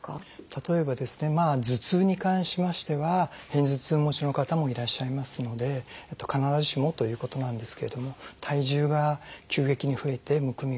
例えば頭痛に関しましては片頭痛持ちの方もいらっしゃいますので必ずしもということなんですけれども体重が急激に増えてむくみがある。